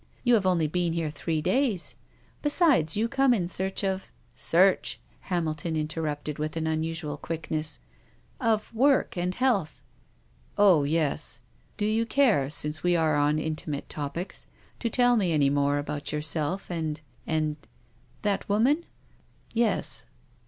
You have only been here three days. Besides, you come in search of —"" Search !" Hamilton interrupted, with an un usual quickness. " Of work and health." " Oh, yes. Do you care, since we are on inti mate topics, to tell me any more about yourself and — and —"" That woman ?"" Yes."